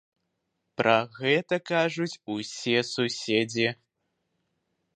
Пра гэта кажуць усе суседзі.